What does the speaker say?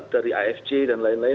dari afc dan lain lain